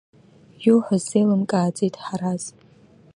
Иуҳәаз сзеилымкааӡеит, Ҳараз!